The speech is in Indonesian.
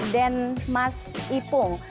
dan mas ipung